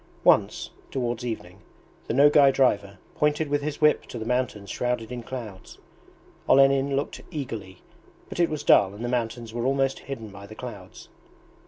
Once, towards evening, the Nogay driver pointed with his whip to the mountains shrouded in clouds. Olenin looked eagerly, but it was dull and the mountains were almost hidden by the clouds.